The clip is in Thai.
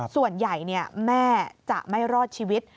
ส่วนใหญ่แม่จะไม่รอดชีวิต